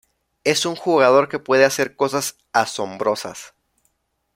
Es un jugador que puede hacer cosas asombrosas".